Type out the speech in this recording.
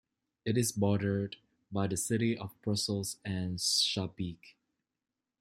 It is bordered by the City of Brussels and Schaerbeek.